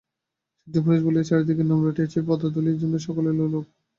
সিদ্ধপুরুষ বলিয়া চারিদিকে নাম রটিয়াছে, পদধূলির জন্য সকলে লোলুপ।